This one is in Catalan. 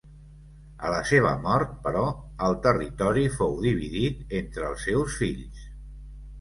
A la seva mort, però, el territori fou dividit entre els seus fills.